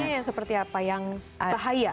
yang seperti apa yang bahaya